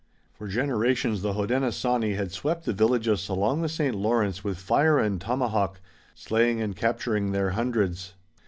For generations the Hodenosaunee had swept the villages along the St. Lawrence with fire and tomahawk, slaying and capturing their hundreds.